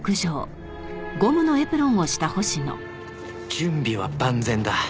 準備は万全だ